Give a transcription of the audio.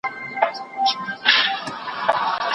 هغه وویل چي پوهه د انسان روح ته ارامتیا بخښي.